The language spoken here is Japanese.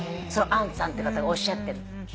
そのアンさんって方がおっしゃってる。